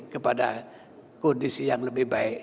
kepada kondisi yang lebih baik